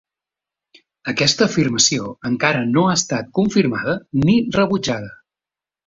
Aquesta afirmació encara no ha estat confirmada ni rebutjada.